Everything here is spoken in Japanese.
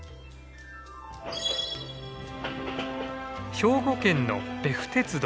兵庫県の別府鉄道。